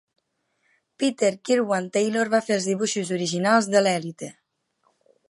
Peter Kirwan-Taylor va fer els dibuixos originals de l'Elite.